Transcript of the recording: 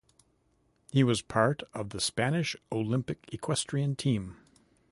He was part of the Spanish Olympic equestrian team.